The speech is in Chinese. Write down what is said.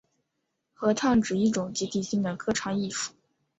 合唱指一种集体性的歌唱艺术。